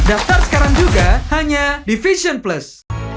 daftar sekarang juga hanya di fashion plus